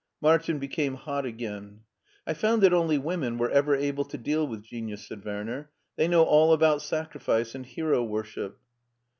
Martin became hot again. I found that only women were ever able to deal with genius," said Werner; "they know all about sacrifice and hero worship.